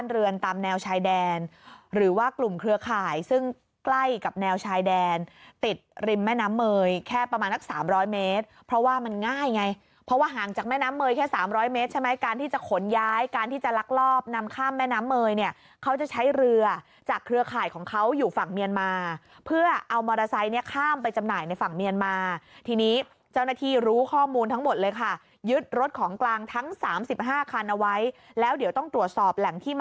เรือนตามแนวชายแดนหรือว่ากลุ่มเครือข่ายซึ่งใกล้กับแนวชายแดนติดริมแม่น้ำเมย์แค่ประมาณละสามร้อยเมตรเพราะว่ามันง่ายไงเพราะว่าห่างจากแม่น้ำเมย์แค่สามร้อยเมตรใช่ไหมการที่จะขนย้ายการที่จะลักลอบนำข้ามแม่น้ำเมย์เนี้ยเขาจะใช้เรือจากเครือข่ายของเขาอยู่ฝั่งเมียนมาเพื่อเอ